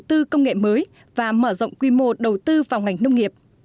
đầu tư công nghệ mới và mở rộng quy mô đầu tư vào ngành nông nghiệp